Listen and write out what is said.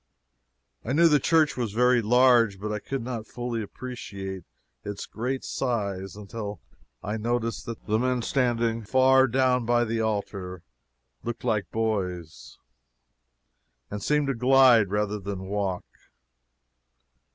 I knew the church was very large, but I could not fully appreciate its great size until I noticed that the men standing far down by the altar looked like boys, and seemed to glide, rather than walk.